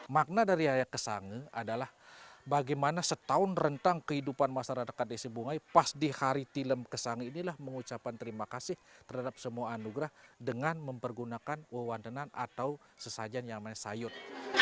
makna dari yaya kesangi adalah bagaimana setahun rentang kehidupan masyarakat desa bungaya pas di hari tilem kesangi inilah mengucapkan terima kasih terhadap semua anugerah dengan mempergunakan wawan tenan atau sesajen yang namanya sayut